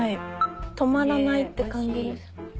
止まらないって感じです。